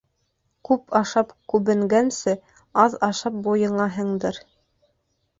Күп ашап күбенгәнсе, аҙ ашап буйыңа һеңдер.